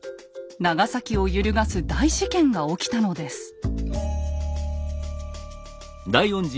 長崎を揺るがす大事件が起きたのです。